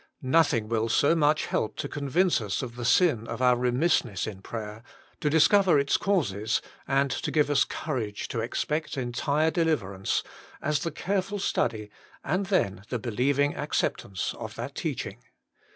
Nothing will so much help to convince us of the sin of our remiss ness in prayer, to discover its causes, and to give us courage to expect entire deliverance, as the careful study and then the believing acceptance of that teaching.